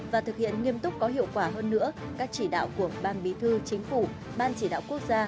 và thực hiện nghiêm túc có hiệu quả hơn nữa các chỉ đạo của ban bí thư chính phủ ban chỉ đạo quốc gia